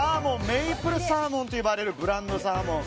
メイプルサーモンと呼ばれるブランドサーモン。